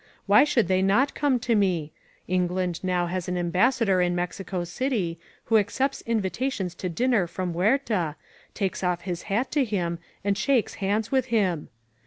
Why should they not come to me? England now has an Ambassador in Mexico City, who accepts invitations to dinner from Huerta, takes off his hat to him, and shakes hands with him!